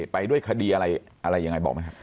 ไปด้วยคดีอะไรอะไรยังไงบอกไหมครับ